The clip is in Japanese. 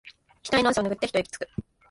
ひたいの汗をぬぐって一息つく